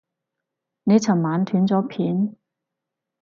你尋晚斷咗片